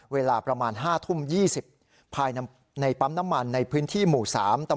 เวลาประมาณ๕ทุ่ม๒๐ภายในปั๊มน้ำมันในพื้นที่หมู่๓